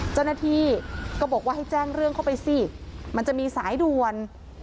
เจ้าหน้าที่ก็บอกว่าให้แจ้งเรื่องเข้าไปสิมันจะมีสายด่วน